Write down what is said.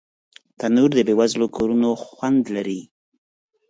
تنور د بې وزلو کورونو خوند لري